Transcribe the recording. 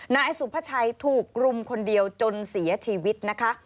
นายสุภาชัยถูกรุมคนเดียวจนเสียชีวิตนะคะ